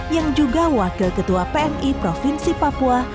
yang juga wakil ketua pmi provinsi papua